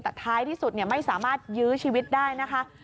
แต่ท้ายที่สุดไม่สามารถยื้อชีวิตได้นะคะ